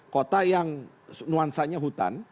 kota yang nuansanya hutan